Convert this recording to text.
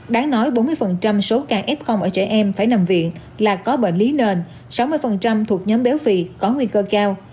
đáng nói bốn mươi số ca f ở trẻ em phải nằm viện là có bệnh lý nền sáu mươi thuộc nhóm béo phì có nguy cơ cao